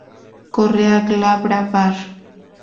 Correa glabra var.